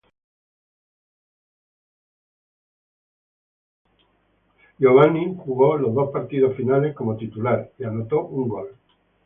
Giovanny jugó los dos partidos finales como titular y anotó un gol.